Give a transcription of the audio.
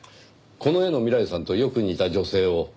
この絵の未来さんとよく似た女性を。